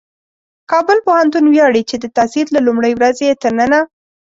کابل پوهنتون ویاړي چې د تاسیس له لومړۍ ورځې یې تر ننه